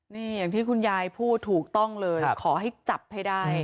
นี่อย่างที่คุณยายพูดถูกต้องเลยขอให้จับให้ได้